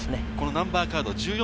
ナンバーカード１４